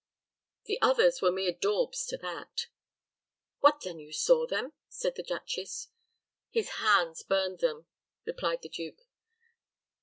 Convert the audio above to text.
"The others were mere daubs to that." "What, then, you saw them?" said the duchess. "His hands burned them," replied the duke.